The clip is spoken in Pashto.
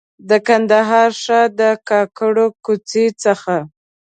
د کندهار ښار د کاکړو کوڅې څخه.